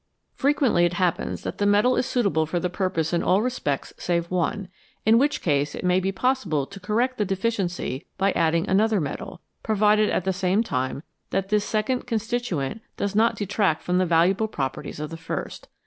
Frequently it happens that the metal is suitable for the purpose in all respects save one, in which case it may be possible to correct the deficiency by adding another metal, provided at the same time that this second constituent does not detract from the valuable properties of the first.